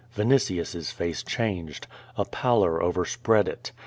Vinitius's face changed. A pallor over spread it.